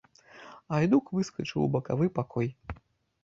Гайдук выскачыў у бакавы пакой.